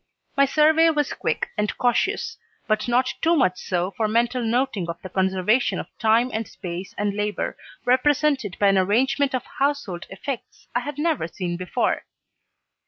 My survey was quick and cautious, but not too much so for mental noting of the conservation of time and space and labor represented by an arrangement of household effects I had never seen before.